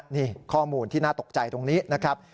นี่ข้อมูลที่น่าตกใจตรงนี้นะครับ